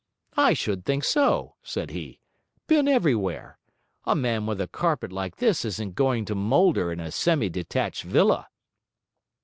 "I should think so," said he. "Been everywhere. A man with a carpet like this isn't going to moulder in a semi detached villa."